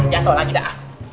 jatoh lagi dah